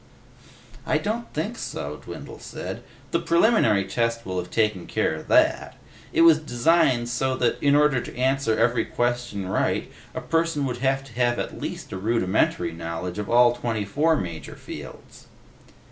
"I don't think so," Dwindle said. "The preliminary test will have taken care of that. It was designed so that, in order to answer every question right, a person would have to have at least a rudimentary knowledge of all twenty four major fields."